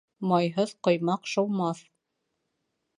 Майһыҙ ҡоймаҡ шыумаҫ.